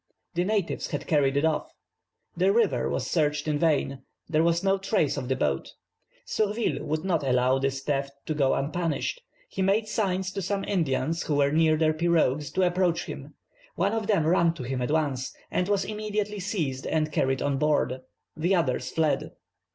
The natives had carried it off. The river was searched in vain; there was no trace of the boat. Surville would not allow this theft to go unpunished. He made signs to some Indians who were near their pirogues to approach him. One of them ran to him at once, and was immediately seized and carried on board. The others fled.